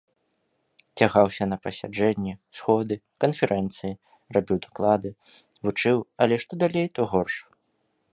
Цягаўся на пасяджэнні, сходы, канферэнцыі, рабіў даклады, вучыў, але што далей, то горш.